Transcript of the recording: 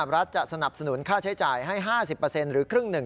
รัฐจะสนับสนุนค่าใช้จ่ายให้๕๐หรือครึ่งหนึ่ง